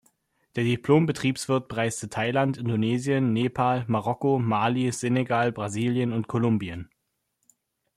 Der Diplom-Betriebswirt bereiste Thailand, Indonesien, Nepal, Marokko, Mali, Senegal, Brasilien und Kolumbien.